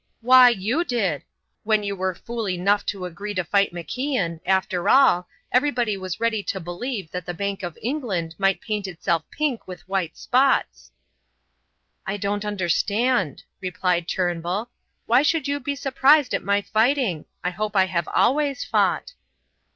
"Why, you did. When you were fool enough to agree to fight MacIan, after all, everybody was ready to believe that the Bank of England might paint itself pink with white spots." "I don't understand," answered Turnbull. "Why should you be surprised at my fighting? I hope I have always fought."